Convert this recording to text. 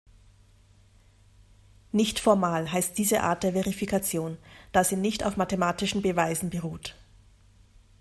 Nicht-formal heißt diese Art der Verifikation, da sie nicht auf mathematischen Beweisen beruht.